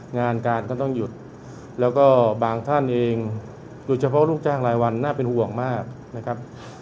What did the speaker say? งานการก็ต้องหยุดแล้วก็บางท่านเองโดยเฉพาะลูกจ้างรายวันน่าเป็นห่วงมากนะครับ